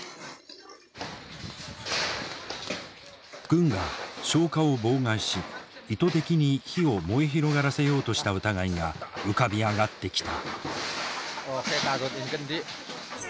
軍が消火を妨害し意図的に火を燃え広がらせようとした疑いが浮かび上がってきた。